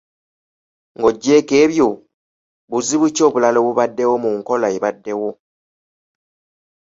Ng’oggyeeko ebyo, buzibu ki obulala obubaddewo mu nkola ebaddewo?